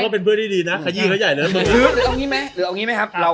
เป็นเพื่อนดีนะ